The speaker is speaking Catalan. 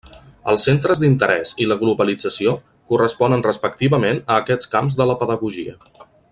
Els centres d'interès i la globalització corresponen respectivament a aquests camps de la pedagogia.